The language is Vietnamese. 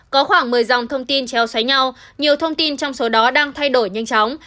có khoảng một mươi dòng thông tin treo sáy nhau nhiều thông tin trong số đó đang thay đổi nhanh chóng